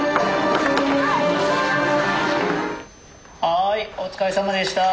・はいお疲れさまでした。